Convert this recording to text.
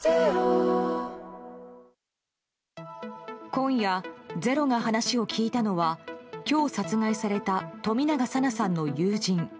今夜「ｚｅｒｏ」が話を聞いたのは今日殺害された冨永紗菜さんの友人。